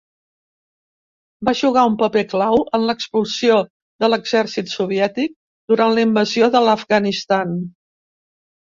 Va jugar un paper clau en l'expulsió de l'exèrcit soviètic durant la invasió de l'Afganistan.